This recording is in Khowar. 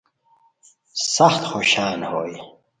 سخت خوشان ہوئے